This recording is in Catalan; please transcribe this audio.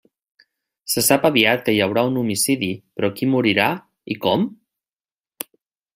Se sap aviat que hi haurà un homicidi, però qui morirà, i com?